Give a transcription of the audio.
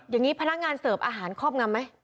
อย่างนี้พนักงานเสิร์ฟอาหารครอบงำไหม